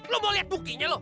lo mau liat bukinya lo